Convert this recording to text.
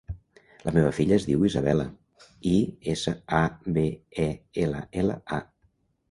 La meva filla es diu Isabella: i, essa, a, be, e, ela, ela, a.